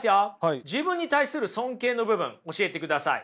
自分に対する尊敬の部分教えてください。